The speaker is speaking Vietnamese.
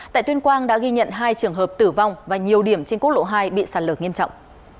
tại tuyên quang đã ghi nhận hai trường hợp tử vong và nhiều điểm trên quốc lộ hai bị sạt lở nghiêm trọng